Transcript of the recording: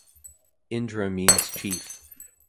Indra means chief.